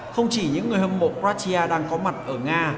không chỉ những người hâm mộ quaratia đang có mặt ở nga